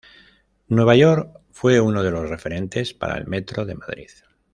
Nueva York fue uno de los referentes para el Metro de Madrid.